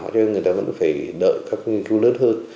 cho nên người ta vẫn phải đợi các nghiên cứu lớn hơn